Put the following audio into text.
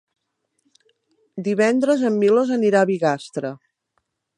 Divendres en Milos anirà a Bigastre.